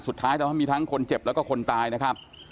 สุดท้ายเรามีทั้งคนเจ็บแล้วก็คนตายนะครับ